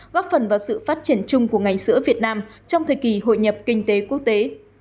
góp phần vào sự phát triển chung của ngành sữa việt nam trong thời kỳ hội nhập kinh tế quốc tế